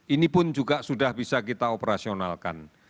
ini pun juga sudah bisa kita operasionalkan